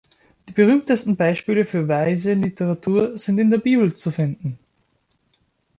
Die berühmtesten Beispiele für weise Literatur sind in der Bibel zu finden.